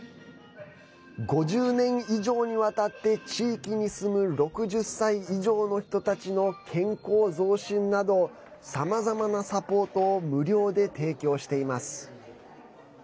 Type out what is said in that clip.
５０年以上にわたって地域に住む６０歳以上の人たちの健康増進などさまざまなサポートを無料で提供しています。